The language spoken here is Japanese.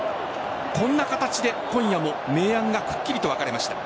こんな形で今夜も明暗がくっきりと分かれました。